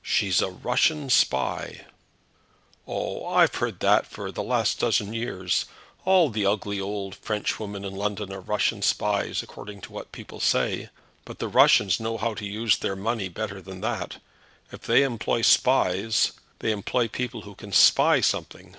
"She's a Russian spy." "Oh, I've heard of that for the last dozen years. All the ugly old Frenchwomen in London are Russian spies, according to what people say; but the Russians know how to use their money better than that. If they employ spies, they employ people who can spy something."